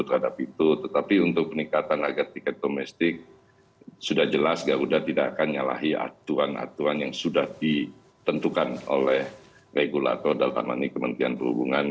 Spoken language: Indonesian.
terhadap itu tetapi untuk peningkatan agar tiket domestik sudah jelas garuda tidak akan nyalahi aturan aturan yang sudah ditentukan oleh regulator dalam hal ini kementerian perhubungan